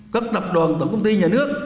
các tập đoàn tổng công ty nhà nước